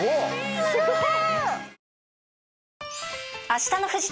すごい！